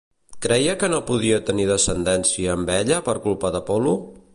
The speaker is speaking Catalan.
Creia que no podia tenir descendència amb ella per culpa d'Apol·lo?